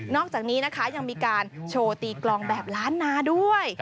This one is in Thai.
อกจากนี้นะคะยังมีการโชว์ตีกลองแบบล้านนาด้วย